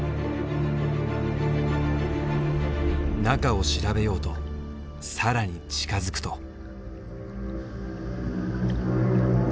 中を調べようと更に近づくと。